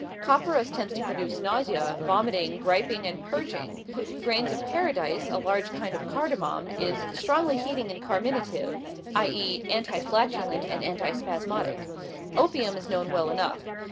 Copperas tends to produce nausea, vomiting, griping, and purging. Grains of paradise, a large kind of cardamom, is "strongly heating and carminative" (i. e., anti flatulent and anti spasmodic.) Opium is known well enough.